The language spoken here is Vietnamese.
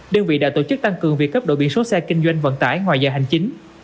đơn vị đã tổ chức tăng cường việc cấp đổi biển số xe kinh doanh vận tải ngoài giờ hành chính